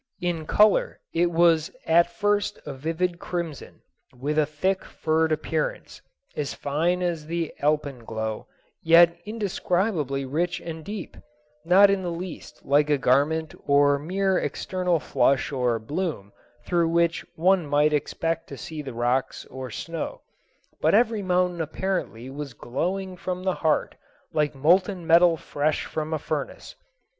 In color it was at first a vivid crimson, with a thick, furred appearance, as fine as the alpenglow, yet indescribably rich and deep—not in the least like a garment or mere external flush or bloom through which one might expect to see the rocks or snow, but every mountain apparently was glowing from the heart like molten metal fresh from a furnace.